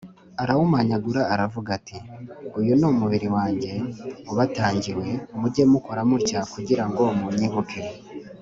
arawumanyagura aravuga ati, uyu ni umubiri wanjye ubatangiwe, mujye mukora mutya kugira ngo munyibuke